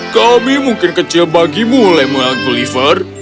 kami mungkin kecil bagimu lemuel gulliver